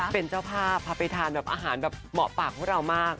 เป็นเจ้าพาพาไปทานอาหารเหมาะปากของเรามาก